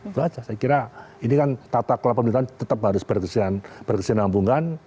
itu saja saya kira ini kan tata kelola pemerintahan tetap harus berkesinambungan